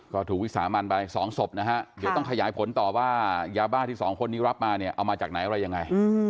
ก็ถูกวิสามันไปสองศพนะฮะเดี๋ยวต้องขยายผลต่อว่ายาบ้าที่สองคนนี้รับมาเนี่ยเอามาจากไหนอะไรยังไง